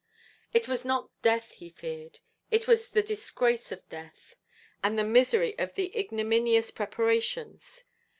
It was not death he feared it was the disgrace of death, and the misery of the ignominious preparations.